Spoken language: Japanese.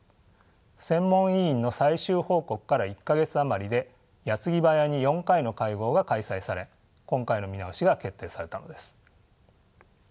専門委員の最終報告から１か月余りで矢継ぎ早に４回の会合が開催され今回の見直しが決定されたのです。